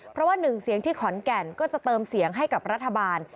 เพราะว่าหนึ่งเสียงที่ขอนแก่นก็จะเติมเสียงให้กับรัฐบาล